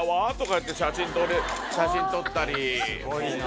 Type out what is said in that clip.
写真撮ったり。